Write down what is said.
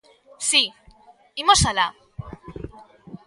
Si, imos alá.